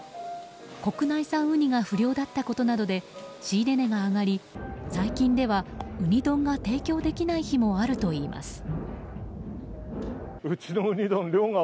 国内産ウニが不漁だったことなどで仕入れ値が上がり最近ではウニ丼が提供できない日もあるといいます。